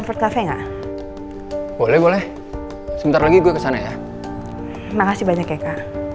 pernah ga nama ternyata